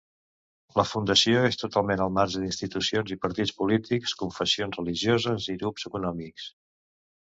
La Fundació és totalment al marge d'institucions i partits polítics, confessions religioses i grups econòmics.